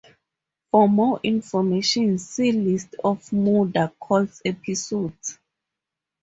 For more information see List of Murder Call episodes.